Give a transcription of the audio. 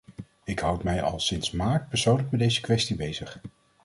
Ik houd mij al sinds maart persoonlijk met deze kwestie bezig.